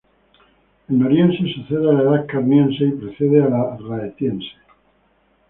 El Noriense sucede a la edad Carniense y precede a la Rhaetiense.